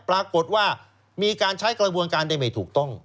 ปรากฏว่ามีการใช้กระบวนการได้ไม่ถูกต้อง